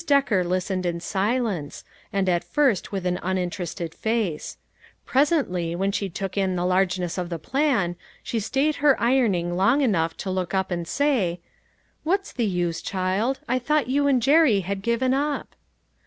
Decker listened in silence, and at first with an uninterested face ; presently, when she took in the largeness of the plan, she stayed her iron long enough to look up and say :" What's the use, child ? I thought you and Jerry had given up."